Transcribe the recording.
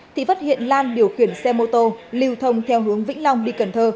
thì phát hiện lan điều khiển xe mô tô liều thông theo hướng vĩnh long đi cần thơ